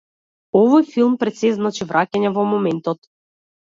Овој филм, пред сѐ, значи враќање во моментот.